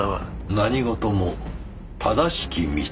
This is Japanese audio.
何事も正しき道が大事。